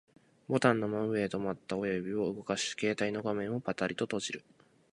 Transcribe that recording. ボタンの真上で止まった親指を動かし、携帯の画面をパタリと閉じる